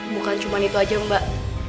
bukan cuma itu aja mbak